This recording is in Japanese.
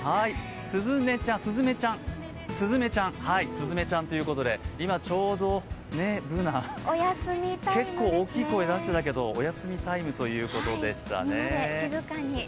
すずめちゃんということで、今ちょうど、Ｂｏｏｎａ、結構大きい声出してたけどお休みタイムということでしたね。